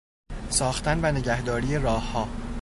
ساختن و نگهداری راهها